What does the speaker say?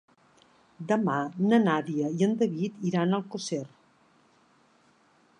Demà na Nàdia i en David iran a Alcosser.